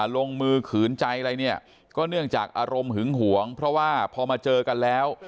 ลงมือขืนใจอะไรเนี่ยก็เนื่องจากอารมณ์หึงหวงเพราะว่าพอมาเจอกันแล้ว